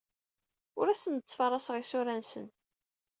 Ur asen-d-ttfaraseɣ isura-nsen.